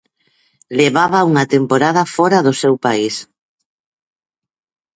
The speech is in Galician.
Levaba unha temporada fóra do seu país.